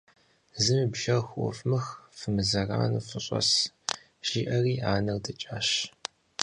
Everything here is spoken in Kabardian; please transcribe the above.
– Зыми бжэр хуӏувмых, фымызэрану фыщӏэс, - жиӏэри анэр дэкӏащ.